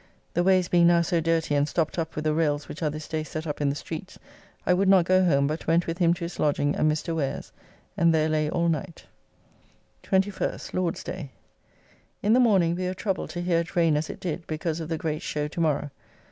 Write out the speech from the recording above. The ways being now so dirty, and stopped up with the rayles which are this day set up in the streets, I would not go home, but went with him to his lodging at Mr. Ware's, and there lay all night. 21st (Lord's day). In the morning we were troubled to hear it rain as it did, because of the great show tomorrow.